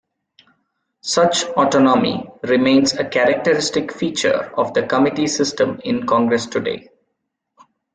Such autonomy remains a characteristic feature of the committee system in Congress today.